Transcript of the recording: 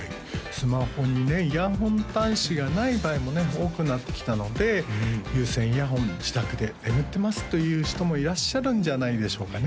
スマホにねイヤホン端子がない場合もね多くなってきたので有線イヤホン自宅で眠ってますという人もいらっしゃるんじゃないでしょうかね